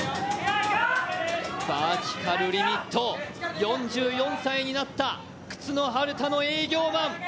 バーティカルリミット、４４歳になった靴のハルタの営業マン。